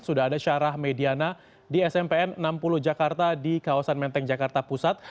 sudah ada syarah mediana di smpn enam puluh jakarta di kawasan menteng jakarta pusat